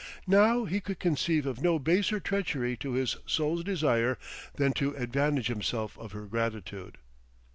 Now he could conceive of no baser treachery to his soul's desire than to advantage himself of her gratitude.